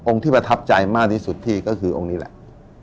ที่ประทับใจมากที่สุดที่ก็คือองค์นี้แหละ